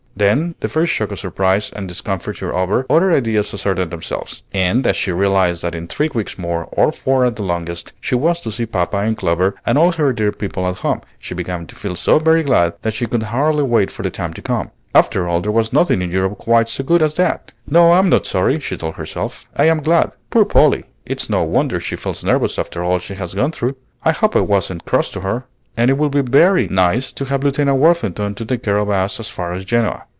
Then, the first shock of surprise and discomfiture over, other ideas asserted themselves; and as she realized that in three weeks more, or four at the longest, she was to see papa and Clover and all her dear people at home, she began to feel so very glad that she could hardly wait for the time to come. After all, there was nothing in Europe quite so good as that. "No, I'm not sorry," she told herself; "I am glad. Poor Polly! it's no wonder she feels nervous after all she has gone through. I hope I wasn't cross to her! And it will be very nice to have Lieutenant Worthington to take care of us as far as Genoa."